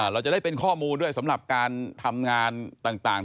เราจะได้เป็นข้อมูลด้วยสำหรับการทำงานต่าง